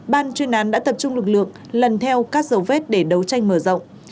ban chuyên án đã tập trung lực lượng lần theo các dấu vết để đấu tranh mở rộng